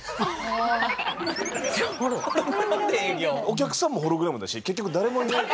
お客さんもホログラムだし結局誰もいない。